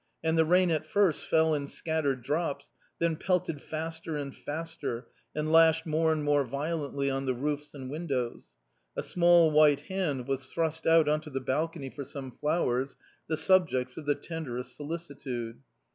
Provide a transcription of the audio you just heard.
And the rain at first fell in scattered drops, then pelted faster and faster and lashed more and more violently on the roofs and windows. A small white hand was thrust out on to the balcony for some flowers, the subjects of the tenderest solicitude.